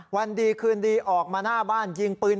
วันดีคืนดีออกมาหน้าบ้านยิงปืน